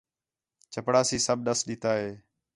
چپڑاسی سب ݙَس ݙِتّا ہے